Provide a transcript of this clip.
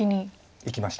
いきました。